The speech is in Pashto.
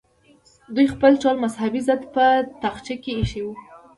دوی خپل ټول مذهبي ضد په تاخچه کې ایښی وي.